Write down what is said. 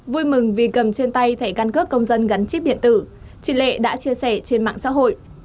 vui mừng vì cầm trên tay thẻ căn cước công dân gắn chip điện tử chị lệ đã chia sẻ trên mạng xã hội